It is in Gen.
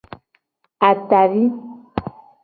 Atavi.